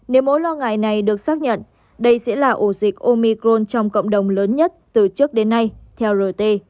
nếu mối lo ngại này được xác nhận đây sẽ là ổ dịch omicron trong cộng đồng lớn nhất từ trước đến nay theo rt